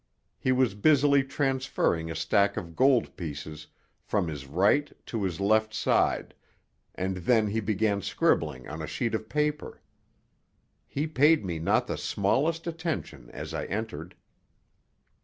He was busily transferring a stack of gold pieces from his right to his left side; and then he began scribbling on a sheet of paper. He paid me not the smallest attention as I entered.